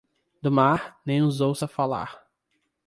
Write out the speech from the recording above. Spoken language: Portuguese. Do mar, nem os ouça falar.